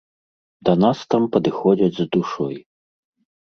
Да нас там падыходзяць з душой.